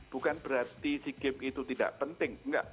bukan berarti sea games itu tidak penting